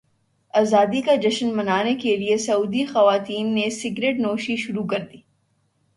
ازادی کا جشن منانے کے لیے سعودی خواتین نے سگریٹ نوشی شروع کردی